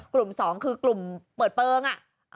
กลุ่ม๒คือกลุ่มเปิดเปลือง